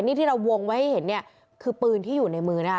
นี่ที่เราวงไว้ให้เห็นเนี่ยคือปืนที่อยู่ในมือนะคะ